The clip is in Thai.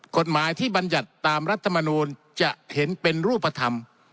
กฎหมายที่บรรยัติตามรัฐมนูลจะเห็นเป็นรูปธรรม